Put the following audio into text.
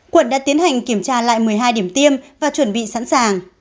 quận đã tiến hành kiểm tra lại một mươi hai điểm tiêm và chuẩn bị sẵn sàng